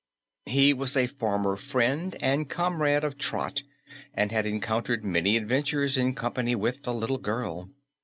He was a former friend and comrade of Trot and had encountered many adventures in company with the little girl.